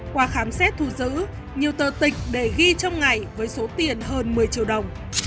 qua khám xét thu giữ nhiều tờ tịch để ghi trong ngày với số tiền hơn một mươi triệu đồng